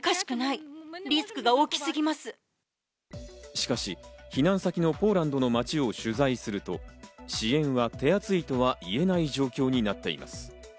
しかし避難先のポーランドの街を取材すると、支援は手厚いとは言えない状況になっています。